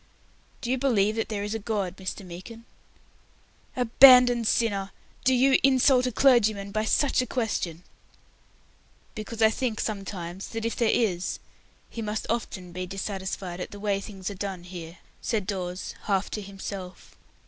"Do you believe that there is a God, Mr. Meekin?" "Abandoned sinner! Do you insult a clergyman by such a question?" "Because I think sometimes that if there is, He must often be dissatisfied at the way things are done here," said Dawes, half to himself.